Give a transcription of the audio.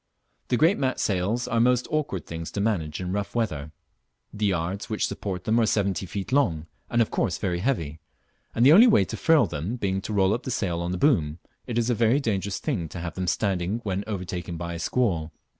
The great mat sails are most awkward things to manage in rough weather. The yards which support them are seventy feet long, and of course very heavy, and the only way to furl them being to roll up the sail on the boom, it is a very dangerous thing to have them standing when overtaken by a squall.